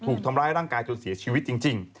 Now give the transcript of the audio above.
ถูกทำร้ายร่างกายจนเสียชีวิตจริง